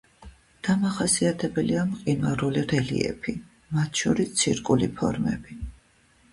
დამახასიათებელია მყინვარული რელიეფი, მათ შორის ცირკული ფორმები.